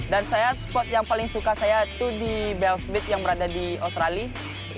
dan spot yang paling suka saya itu di bells beat yang berada di australia